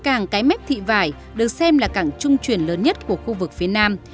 càng cái mép thị vải được xem là cảng trung truyền lớn nhất của khu vực phía nam